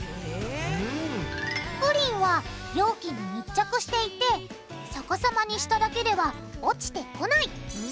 プリンは容器に密着していて逆さまにしただけでは落ちてこない。